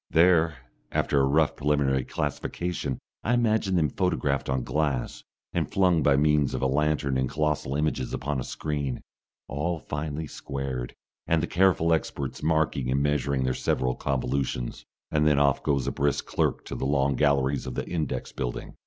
There, after a rough preliminary classification, I imagine them photographed on glass, and flung by means of a lantern in colossal images upon a screen, all finely squared, and the careful experts marking and measuring their several convolutions. And then off goes a brisk clerk to the long galleries of the index building.